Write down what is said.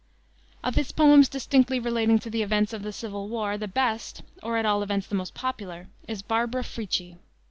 Of his poems distinctly relating to the events of the civil war, the best, or at all events the most popular, is Barbara Frietchie.